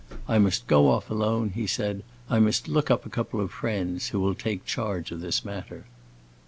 "I must go off alone," he said; "I must look up a couple of friends who will take charge of this matter."